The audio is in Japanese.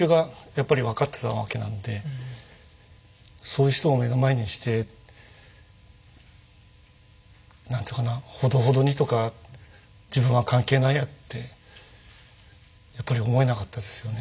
そういう人を目の前にして何ていうかなほどほどにとか自分は関係ないやってやっぱり思えなかったですよね。